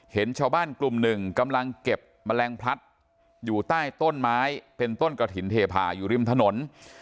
เห็นชาวบ้านกลุ่มหนึ่งกำลังเก็บแมลงพลัดอยู่ใต้ต้นไม้เป็นต้นกระถิ่นเทพาอยู่ริมถนน